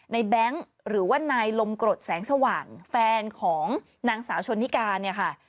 แบงค์หรือว่านายลมกรดแสงสว่างแฟนของนางสาวชนนิกาเนี่ยค่ะ